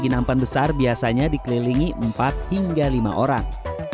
kinampan besar biasanya dikelilingi empat hingga lima orang